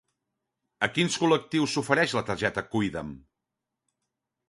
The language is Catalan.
A quins col·lectius s'ofereix la targeta Cuida'm?